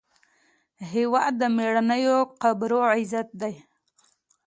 هېواد د میړنیو قبرو عزت دی.